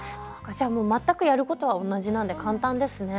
じゃあもう全くやることは同じなんで簡単ですね。